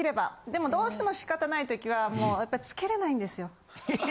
でもどうしても仕方ないときはもうやっぱりつけれないんですよ。